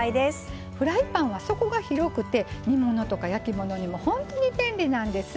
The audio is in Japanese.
フライパンは底が広くて煮物とか焼き物にもほんとに便利なんです。